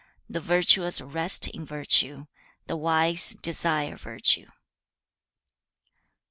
The virtuous rest in virtue; the wise desire virtue.'